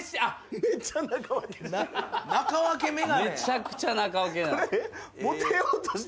めちゃくちゃ中分け。